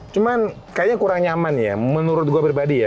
cuman kayaknya kurang nyaman ya menurut gue pribadi ya